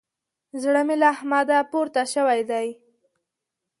زړه مې له احمده پورته سوی دی.